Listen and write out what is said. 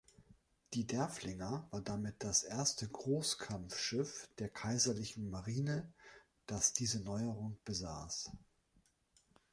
Die "Derfflinger" war damit das erste Großkampfschiff der kaiserlichen Marine, das diese Neuerung besaß.